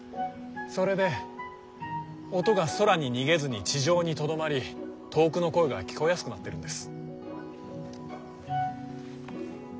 それで音が空に逃げずに地上にとどまり遠くの声が聞こえやすくなってるんです。